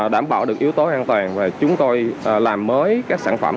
đảm bảo được yếu tố an toàn và chúng tôi làm mới các sản phẩm